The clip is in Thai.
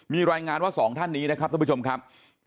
มีรายงานว่า๒ถ้านี้นะครับทุกผู้ชมครับ